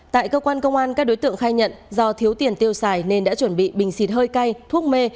tại cơ quan công an các đối tượng khai nhận do thiếu tiền tiêu xài nên đã chuẩn bị bình xịt hơi cay thuốc mê